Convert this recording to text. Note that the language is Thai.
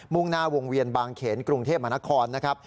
่งหน้าวงเวียนบางเขนกรุงเทพมหานครนะครับ